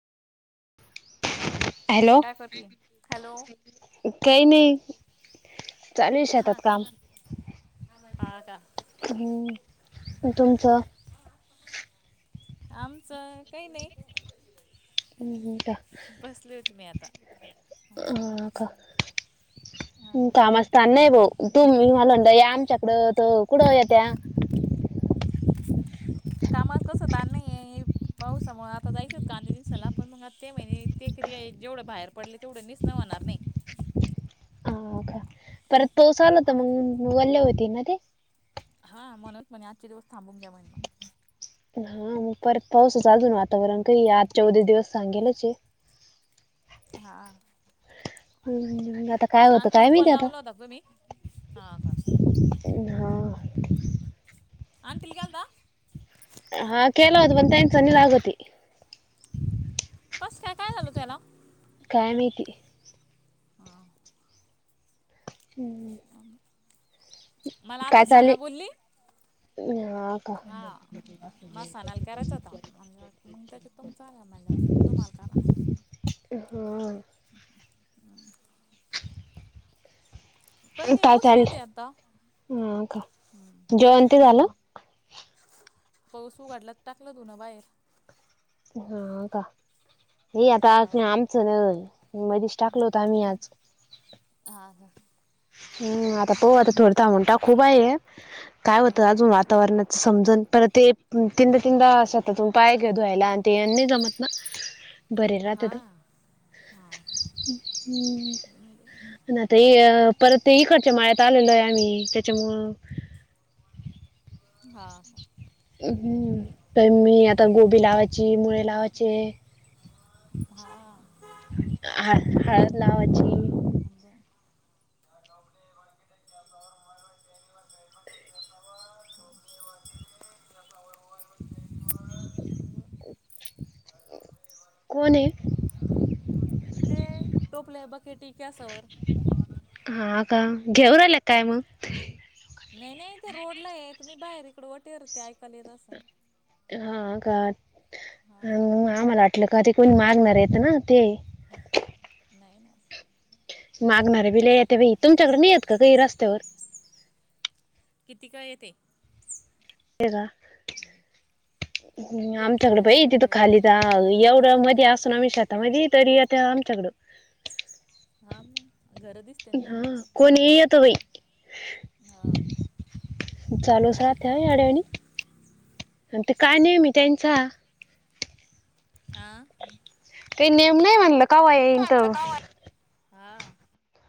[unintelligible] Hello काय करती? Hello. काय नाहीय. चालू शेतात काम. हा का, तुमचं आमचं काही नाही बसले होते मी आता हा. ह का कामचा ताण नाही भाऊ तूम्ही मला म्हणता या आमच्याकडं त कुठं येत त्या कामाचा तस ताण नाही ये. पावसामुळे आता जायचं होत का कांदे निसायला पण मग आता ते म्हणे ते क जेवढं बाहेर पडले तेवढं निसन होणार नाही. अ का परत पाऊस आला होत मग वल्ले होतील ना ते हां म्हणत म्हणे आजचे दिवस थांबून घ्या म्हणे मग हा मग परत पाऊसच अजून वातावरण मग. काही आजच्या उद्याच्या दिवस सांगेलच ये. हां. हम्म आता काय होतं आंटी काय ला कॉल माहिती आता लावला होता का तुम्ही? हा हा हा आंटी ला केलता. हा केला होता पण त्याचा नाही लागतये. कस काय काय झाल होता हयाला काय नाही. हा. हम्म. मला आता चाले सणा बोलली. हा का. मला सणाला करायचा होता मग त्याच्यात तुमचा आला मला म्हणलं तुम्हाला करावा. हा हा ह काही नाही काय बसले चाल होते आता हा का हम् जेवण ते झालं पाऊस उघाडला टाकलं धुणं बाहेर हा का हे आता हा आमचं मधीच टाकल होत आम्ही आज हा हा हम् आता पाहू आता थोड थांबून टाकू बाई काय होत हा हा अजून वातावरणात समजून परत ते तीनदा तीनदा शतातून पाय घे धुवायला आणि ते नाही जमत ना [unintelligible] बर राहता हा त. ना ते परत ते इकडच्या माया्यात आलेलो आहे आम्ही त्याच्यामुळं हा हा ्म प मी आता गोबी लावायची मुळे लावायचे. हा ह हळद लावाची. आग बट म हम् कोने ते टोपले बकेटी कसवर हा का घेऊ राला काय मग नाही नाही ते रोडला आहे त मी बाहेर इकडं वटेर ते ऐकाल येत असन. हा का हा आम्हाला वाटलं का ते कोण मागणार येत ना ते नाही ना मागणारे बिले येत बाई तुमच्याकडे नाही आहेतेत काही रस्त्यावर ते किती का येते ते का एक आमच्याकडे झालं की बाई एक तिथ खाली येतच जा ह एवढं मध्ये असून आमिष आता मध्ये तरी आता आमच्याकडं हा मग घर दिसते. ना हा त्यांना कोण ये य तो भाई हा चालो सा्या आड्यानी ते काय नाही मी त्यांचा आ काही नेम नाही म्हणलं काव येनथ हां